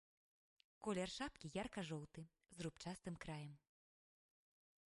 Колер шапкі ярка-жоўты, з рубчастым краем.